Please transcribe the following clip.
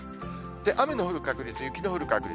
雨の降る確率、雪の降る確率。